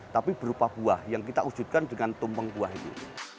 tapi berupa buah yang kita wujudkan dengan tumpeng buah itu